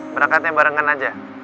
berangkatnya barengan aja